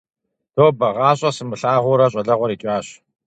Тобэ, гъащӀэ сымылъагъуурэ щӀалэгъуэр икӀащ.